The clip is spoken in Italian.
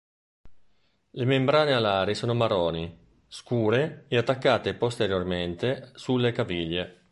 Le membrane alari sono marroni scure e attaccate posteriormente sulle caviglie.